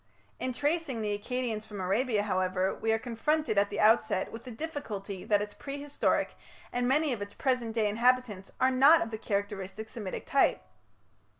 In tracing the Akkadians from Arabia, however, we are confronted at the outset with the difficulty that its prehistoric, and many of its present day, inhabitants are not of the characteristic Semitic type.